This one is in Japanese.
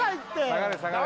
下がれ下がれ